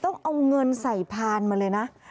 ต้องเอาเงินใส่พานมาเลยนะ